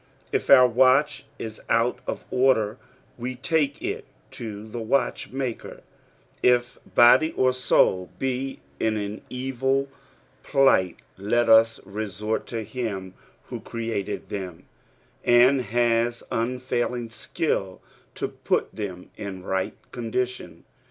If our watch is out of order, we take it to tlic watchmaker ; if body or soul be in an evil plight, let ua resort to him who created them, and has unfailing skill to put them m right condition.